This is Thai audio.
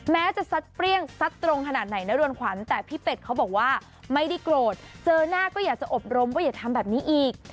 แม้จะซัดเปรี้ยงซัดตรงขนาดไหนนะรวนขวัญแต่พี่เป็ดเขาบอกว่าไม่ได้โกรธเจอหน้าก็อยากจะอบรมว่าอย่าทำแบบนี้อีก